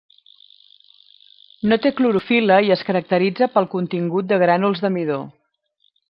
No té clorofil·la i es caracteritza pel contingut de grànuls de midó.